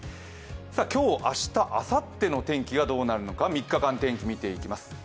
今日、明日、あさっての天気がどうなるか３日間天気を見ていきます。